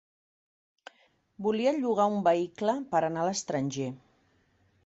Volia llogar un vehicle per anar a l'estranger.